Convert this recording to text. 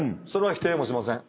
否定しません。